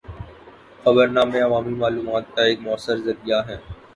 خبرنامے عوامی معلومات کا ایک مؤثر ذریعہ ہیں۔